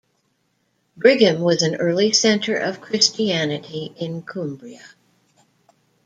Brigham was an early centre of Christianity in Cumbria.